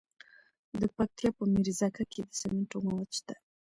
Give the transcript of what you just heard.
د پکتیا په میرزکه کې د سمنټو مواد شته.